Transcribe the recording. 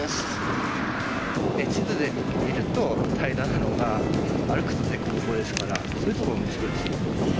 地図で見ると平らなのが、歩くと凸凹ですから、そういうところがおもしろいですね。